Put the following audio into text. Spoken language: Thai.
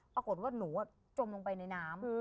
ปรากฏว่าหนูจมลงไปในน้ำ